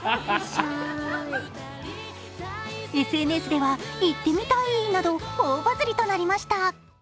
ＳＮＳでは行ってみたいなど大バズりとなりました。